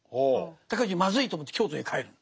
尊氏まずいと思って京都に帰る。